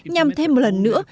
nhằm thêm một lần nữa